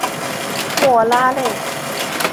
莫拉内。